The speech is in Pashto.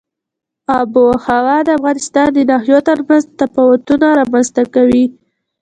آب وهوا د افغانستان د ناحیو ترمنځ تفاوتونه رامنځ ته کوي.